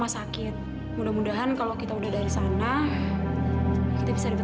iri kamu dimana sekarang